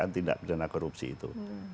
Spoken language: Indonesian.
tindakan berdana korupsi itu